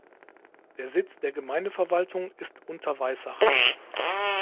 Der Sitz der Gemeindeverwaltung ist Unterweissach.